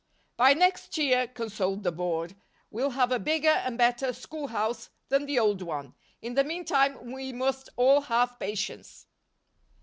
"By next year," consoled the Board, "we'll have a bigger and better schoolhouse than the old one. In the meantime we must all have patience."